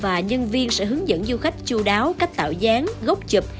và nhân viên sẽ hướng dẫn du khách chú đáo cách tạo dáng gốc chụp